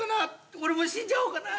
俺も死んじゃおうかな。